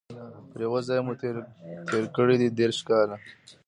پر یوه ځای مو تیر کړي دي دیرش کاله